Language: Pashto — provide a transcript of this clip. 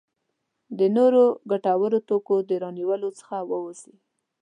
د نورو ګټورو توکو د رانیولو څخه ووځي.